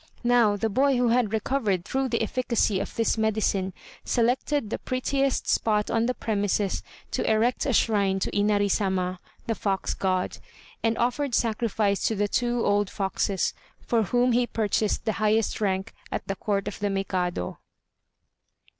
Now, the boy who had recovered through the efficacy of this medicine selected the prettiest spot on the premises to erect a shrine to Inari Sama, the Fox God, and offered sacrifice to the two old foxes, for whom he purchased the highest rank at the court of the Mikado.